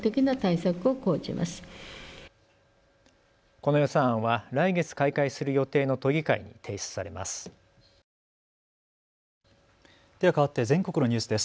この予算案は来月開会する予定の都議会に提出されます。